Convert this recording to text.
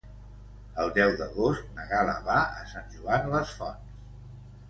El deu d'agost na Gal·la va a Sant Joan les Fonts.